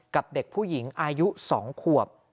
กับเด็กผู้หญิงอายุ๒ขวบ